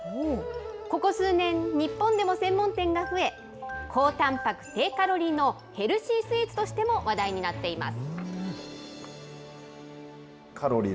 ここ数年、日本でも専門店が増え、高たんぱく、低カロリーのヘルシースイーツとしても話題になっています。